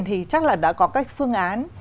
thì chắc là đã có các phương án